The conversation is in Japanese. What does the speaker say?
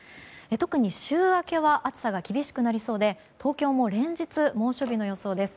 特に週明けは暑さが厳しくなりそうで東京も連日猛暑日の予想です。